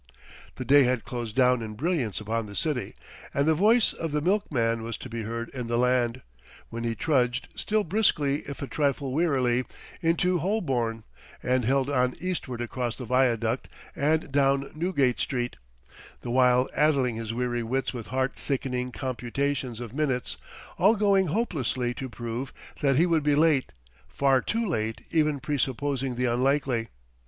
The day had closed down in brilliance upon the city and the voice of the milkman was to be heard in the land when he trudged, still briskly if a trifle wearily, into Holborn, and held on eastward across the Viaduct and down Newgate Street; the while addling his weary wits with heart sickening computations of minutes, all going hopelessly to prove that he would be late, far too late even presupposing the unlikely.